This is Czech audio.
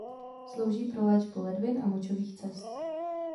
Slouží pro léčbu ledvin a močových cest.